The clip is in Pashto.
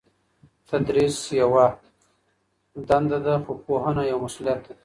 تدریس یوه دنده ده خو پوهنه یو مسؤلیت دی.